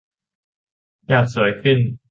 อยากสวยขึ้น